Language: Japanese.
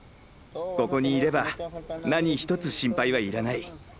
ここにいれば何一つ心配は要らない。